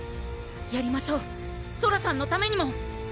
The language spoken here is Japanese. やりましょうソラさんのためにも！